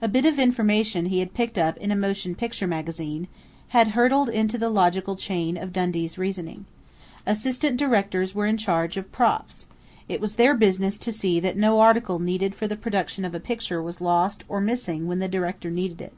A bit of information he had picked up in a motion picture magazine had hurtled into the logical chain of Dundee's reasoning: assistant directors were in charge of "props"; it was their business to see that no article needed for the production of a picture was lost or missing when the director needed it.